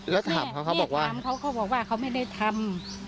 แล้วถามเขาเขาบอกว่าถามเขาเขาบอกว่าเขาไม่ได้ทำ